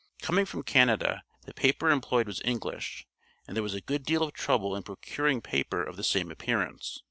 Coming from Canada, the paper employed was English, and there was a good deal of trouble in procuring paper of the same appearance.